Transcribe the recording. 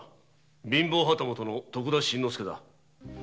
貧乏旗本の徳田新之助だ。